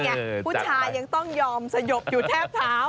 ผู้ชายยังต้องยอมสยบอยู่แทบเท้า